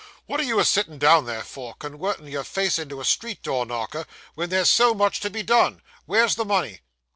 'What are you a settin' down there for, con wertin' your face into a street door knocker, wen there's so much to be done. Where's the money?